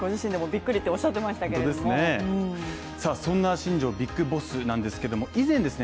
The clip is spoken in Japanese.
新庄ビッグボスなんですけども、以前ですね